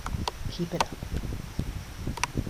Keep it up!